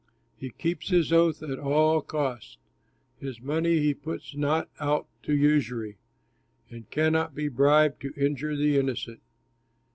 He keeps his oath at all costs, His money he puts not out to usury, And cannot be bribed to injure the innocent.